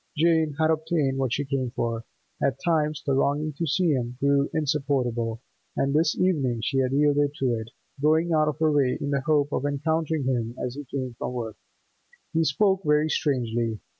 Jane had obtained what she came for. At times the longing to see him grew insupportable, and this evening she had yielded to it, going out of her way in the hope of encountering him as he came from work. He spoke very strangely.